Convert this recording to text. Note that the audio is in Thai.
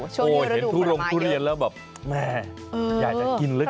โอ้โหเห็นทุรงทุเรียนแล้วแบบแม่อยากจะกินลึก